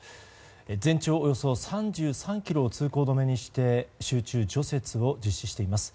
全長およそ３３ｋｍを通行止めにして集中除雪を実施しています。